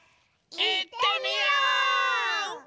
いってみよう！